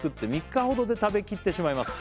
「３日ほどで食べきってしまいます」